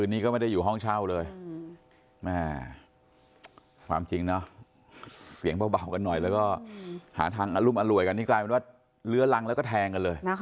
มี๖ประเด็นกินคือเอาออกมาแล้วก็แทนคำนึง